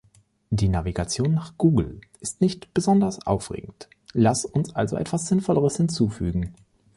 Die Navigation nach Google ist nicht besonders aufregend, lass uns also etwas sinnvolleres hinzufügen.